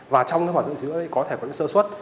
và trong bảo dưỡng sửa chữa có thể có những sơ suất